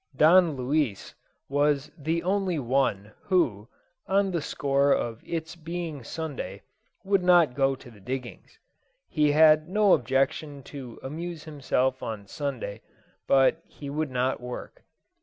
Don Luis was the only one who, on the score of its being Sunday, would not go to the diggings. He had no objection to amuse himself on Sunday, but he would not work.